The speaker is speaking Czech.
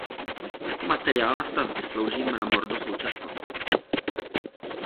Jako materiál na stavby slouží mramor do současnosti.